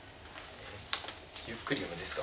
ゆっくり読むですか？